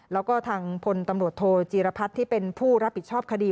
แล้วก็ทางพลตำรวจโทจีรพัฒน์ที่เป็นผู้รับผิดชอบคดี